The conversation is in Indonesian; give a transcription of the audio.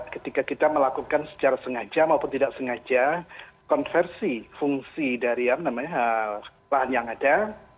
ketika kita melakukan secara sengaja maupun tidak sengaja konversi fungsi dari lahan yang ada